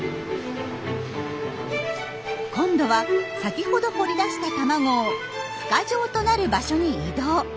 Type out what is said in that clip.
今度は先ほど掘り出した卵をふ化場となる場所に移動。